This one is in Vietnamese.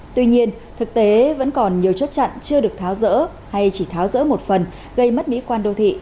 tuy nhiên thực tế vẫn còn nhiều chốt chặn chưa được tháo rỡ hay chỉ tháo rỡ một phần gây mất mỹ quan đô thị